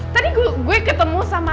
tadi gue ketemu sama